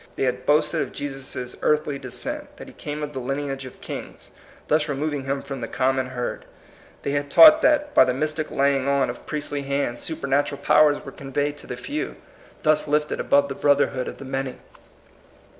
They had boasted of Jesus' earthly descent, that he came of the lineage of kings, thus removing him from the common herd. They had taught that, by the mystic laying on of priestly 142 THE COMING PEOPLE, hands, supernatural powers were conveyed to the few thus lifted above the brother hood of the many.